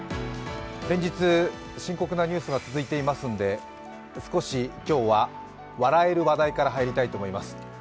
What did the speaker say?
連日、深刻なニュースが続いていますので少し今日は笑える話題から入りたいと思います。